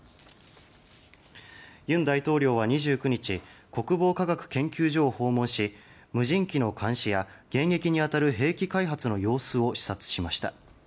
尹大統領は２９日国防科学研究所を訪問し無人機の監視や迎撃に当たる兵器開発の様子を視察しました。